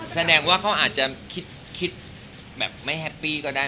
แสดงว่าเขาอาจจะคิดแบบไม่แฮปปี้ก็ได้